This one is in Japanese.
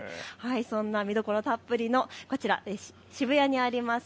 そんな見どころたっぷりのこちら、渋谷にあります